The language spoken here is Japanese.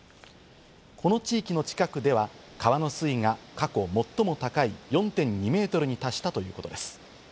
この地域の近くでは川の水位が過去最も高い４．２メートルに達したということです。